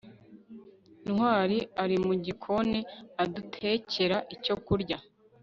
ntwali ari mu gikoni adutekera icyo kurya